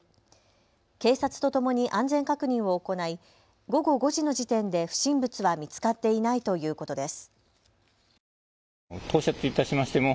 警察とともに安全確認を行い午後５時の時点で不審物は見つかっていないということです。